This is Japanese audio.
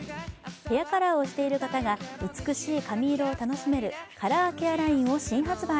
ヘアカラーをしている方が美しい髪色を楽しめる「カラーケアライン」を新発売。